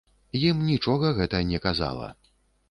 Ім нічога гэта не казала.